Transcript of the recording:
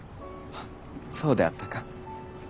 そうであったか。